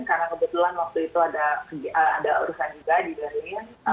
karena kebetulan waktu itu ada urusan juga di berlin